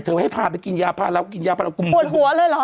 เธอให้พาไปกินยาพาเรากินยาปวดหัวเลยเหรอ